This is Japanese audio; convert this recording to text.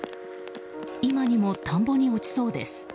今にも田んぼに落ちそうです。